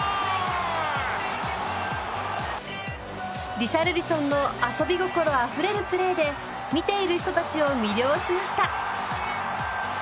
リシャルリソンの遊び心あふれるプレーで見ている人たちを魅了しました。